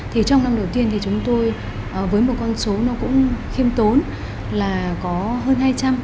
trong năm đầu tiên chúng tôi với một con số cũng khiêm tốn là có hơn hai trăm linh